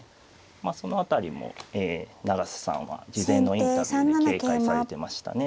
まあその辺りも永瀬さんは事前のインタビューで警戒されてましたね。